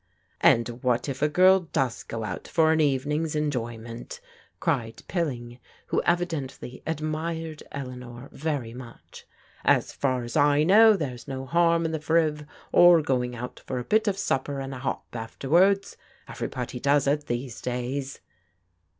" And what if a girl does go out for an evening's en joyment," cried Pilling, who evidently admired Eleanor very much. " As far as I know there's no harm in the Friv or going for a bit of supper and a hop afterwards. Everybody does it, these days."